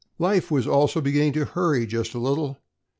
Life also was beginning to hurry just a little.